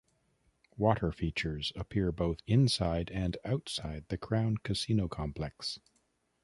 Water features appear both inside and outside the Crown casino complex.